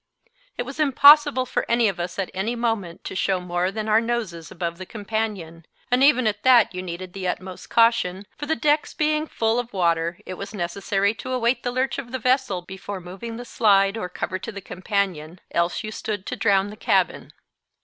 It was impossible for any of us at any moment to show more than our noses above the companion; and even at that you needed the utmost caution, for the decks being full of water, it was necessary to await the lurch of the vessel before moving the slide or cover to the companion, else you stood to drown the cabin.